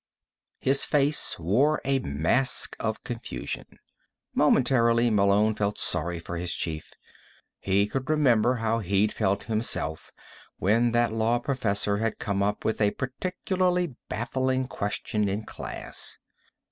His face wore a mask of confusion. Momentarily, Malone felt sorry for his chief. He could remember how he'd felt, himself, when that law professor had come up with a particularly baffling question in class.